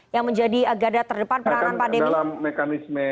yang menjadi agada terdepan peranan pandemi